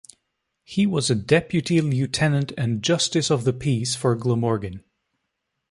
He was a Deputy Lieutenant and Justice of the Peace for Glamorgan.